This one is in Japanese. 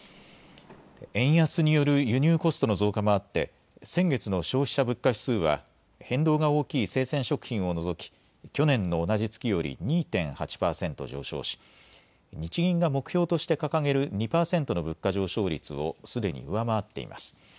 円安による輸入コストの増加もあって先月の消費者物価指数は変動が大きい生鮮食品を除き去年の同じ月より２．８％上昇し日銀が目標として掲げる２％の物価上昇率をすでに上回っています。